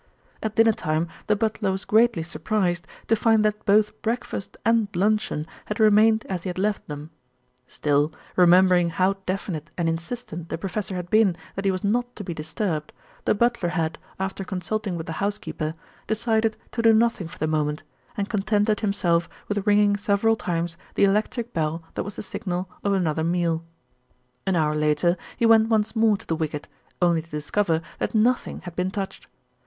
At dinner time the butler was greatly surprised to find that both breakfast and luncheon had remained as he had left them; still, remembering how definite and insistent the professor had been that he was not to be disturbed, the butler had, after consulting with the housekeeper, decided to do nothing for the moment, and contented himself with ringing several times the electric bell that was the signal of another meal. An hour later he went once more to the wicket, only to discover that nothing had been touched.